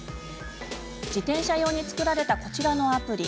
自転車用に作られたこちらのアプリ。